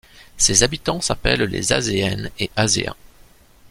Ses habitants s'appellent les Azéennes et Azéens.